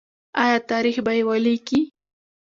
آیا تاریخ به یې ولیکي؟